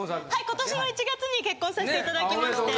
今年の１月に結婚させて頂きまして。